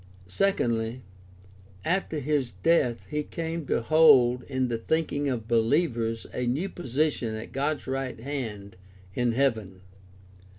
Secondly, after his death he came to hold in the thinking of believers a new position at God's right hand in heaven.